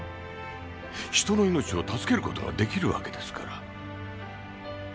人の命を助ける事が出来るわけですから。